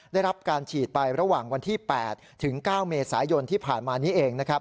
ได้รับการฉีดไประหว่างวันที่๘ถึง๙เมษายนที่ผ่านมานี้เองนะครับ